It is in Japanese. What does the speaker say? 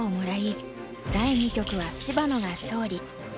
第二局は芝野が勝利。